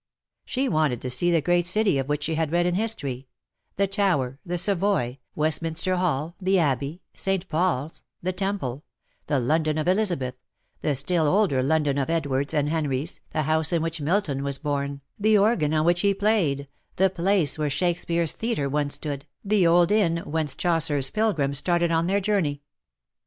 She wanted to see the great city of which she had read in history — the Tower, the Savoy, Westminster Hall, the Abbey, St. Paul's, the Temple — the London of Elizabeth, the still older London of the Edwards and Henries, the house in which Milton was born, the organ on which he played, the place where Shakespeare's Theatre once stood, the old Inn whence Chaucer's Pilgrims started on their IN SOCIETY. 149 journey.